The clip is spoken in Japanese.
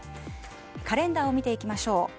カレンダーを見ていきましょう。